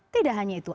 tidak hanya itu